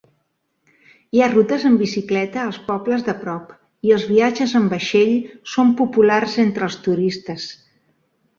Hi ha rutes en bicicleta als pobles de prop, i els viatges amb vaixell són populars entre els turistes.